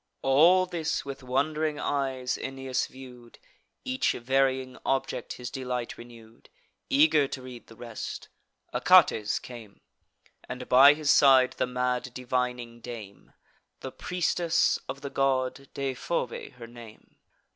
All this with wond'ring eyes Aeneas view'd; Each varying object his delight renew'd: Eager to read the rest, Achates came, And by his side the mad divining dame, The priestess of the god, Deiphobe her name.